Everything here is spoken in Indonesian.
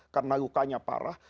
karena lukanya parah